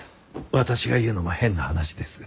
私が言うのも変な話ですが。